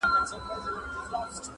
زما د نیکه ستا د ابا دا نازولی وطن-